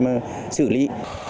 để xử lý